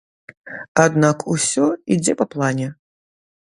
Аднак усё ідзе па плане.